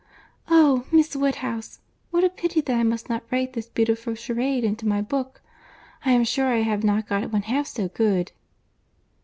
"Oh! Miss Woodhouse, what a pity that I must not write this beautiful charade into my book! I am sure I have not got one half so good."